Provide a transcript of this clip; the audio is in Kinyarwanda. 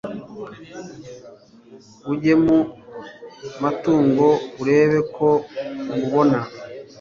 ujye mu matongo urebe ko umubona